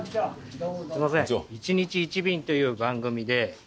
すいません『１日１便』という番組で。